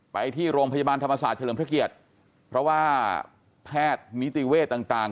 ไปที่โรงพยาบาลธรรมศาสตร์เฉลิมพระเกียรติเพราะว่าแพทย์นิติเวศต่าง